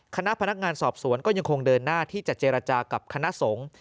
คณะพนักงานสอบสวนก็ยังคงเดินหน้าที่จะเจรจากับคณะสงฆ์